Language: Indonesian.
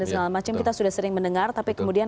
dan segala macam kita sudah sering mendengar tapi kemudian